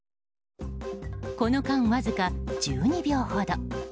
この間、わずか１２秒ほど。